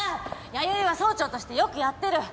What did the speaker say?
弥生は総長としてよくやってる。